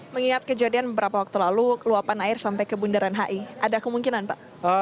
mengingat kejadian beberapa waktu lalu luapan air sampai ke bundaran hi ada kemungkinan pak